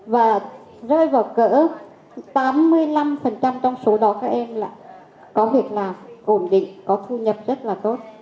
và rơi vào cỡ tám mươi năm trong số đó các em là có việc làm ổn định có thu nhập rất là tốt